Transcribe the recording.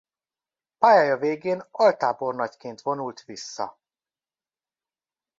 Pályája végén altábornagyként vonult vissza.